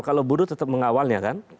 kalau buruh tetap mengawalnya kan